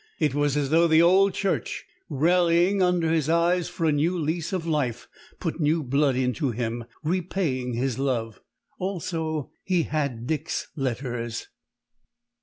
It was as though the old church, rallying under his eyes for a new lease of life, put new blood into him, repaying his love. Also he had Dick's letters.